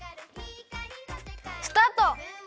スタート！